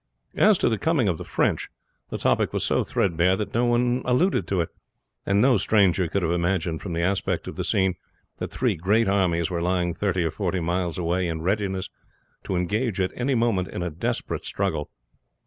As to the coming of the French, the topic was so threadbare that no one alluded to it; and no stranger could have imagined from the aspect of the scene that three great armies were lying thirty or forty miles away in readiness to engage at any moment in a desperate struggle.